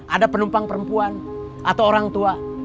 ada penumpang perempuan atau orang tua